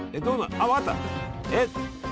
あっ分かった。